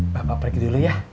bapak pergi dulu ya